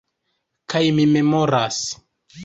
Kaj mi memoras...